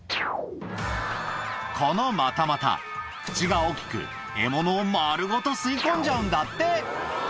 このマタマタ、口が大きく、獲物を丸ごと吸い込んじゃうんだって。